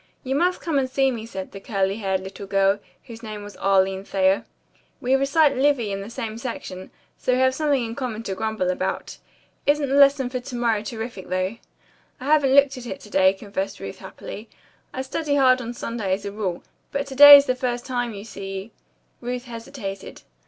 "You must come and see me," said the curly haired little girl, whose name was Arline Thayer. "We recite Livy in the same section, so we have something in common to grumble about. Isn't the lesson for to morrow terrific, though?" "I haven't looked at it to day," confessed Ruth happily. "I study hard on Sunday as a rule, but to day is the first time, you see " Ruth hesitated.